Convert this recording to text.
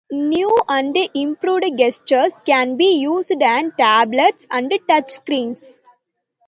New and improved gestures can be used on tablets and touchscreens.